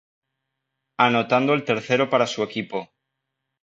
Anotando el tercero para su equipo.